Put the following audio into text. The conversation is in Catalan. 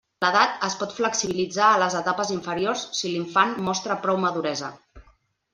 L'edat es pot flexibilitzar a les etapes inferiors si l'infant mostra prou maduresa.